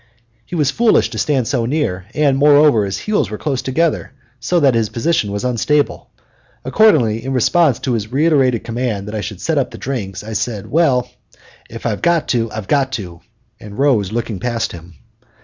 He was foolish to stand so near, and, moreover, his heels were close together, so that his position was unstable. Accordingly, in response to his reiterated command that I should set up the drinks, I said, "Well, if I've got to, I've got to," and rose, looking past him.